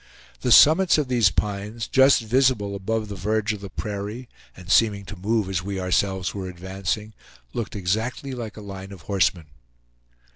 The summits of these pines, just visible above the verge of the prairie, and seeming to move as we ourselves were advancing, looked exactly like a line of horsemen.